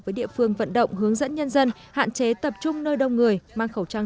với địa phương vận động hướng dẫn nhân dân hạn chế tập trung nơi đông người mang khẩu trang